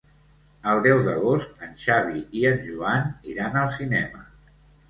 El deu d'agost en Xavi i en Joan iran al cinema.